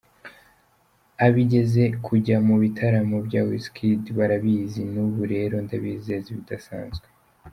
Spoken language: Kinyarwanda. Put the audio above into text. Abigeze kujya mu bitaramo bya Wizkid barabizi, n’ubu rero ndabizeza ibidasanzwe.